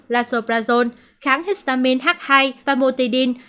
lasoprazone kháng histamine h hai và motidine